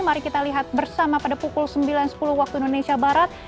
mari kita lihat bersama pada pukul sembilan sepuluh waktu indonesia barat